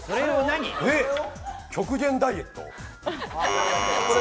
極限ダイエット？